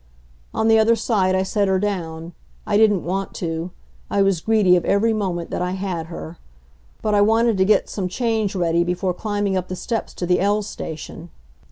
On the other side I set her down. I didn't want to. I was greedy of every moment that I had her. But I wanted to get some change ready before climbing up the steps to the L station.